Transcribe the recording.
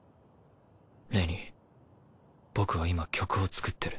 レニー僕は今曲を作ってる。